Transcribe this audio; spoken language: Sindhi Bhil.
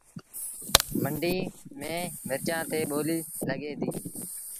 منڊيٚ ميݩ مرچآݩ تي ٻوليٚ لڳي ديٚ